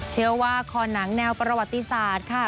เชื่อว่าคอนังแนวประวัติศาสตร์ค่ะ